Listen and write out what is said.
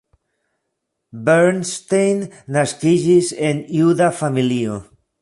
Bernstein naskiĝis en juda familio.